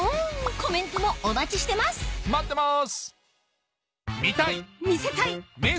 コメントもお待ちしてます待ってます